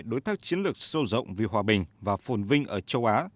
đối tác chiến lược sâu rộng vì hòa bình và phồn vinh ở châu á